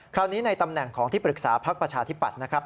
ในตำแหน่งของที่ปรึกษาพักประชาธิปัตย์นะครับ